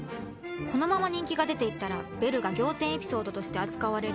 このまま人気が出て行ったらベルが仰天エピソードとして扱われる。